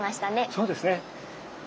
そうですね。